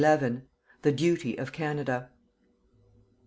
THE DUTY OF CANADA.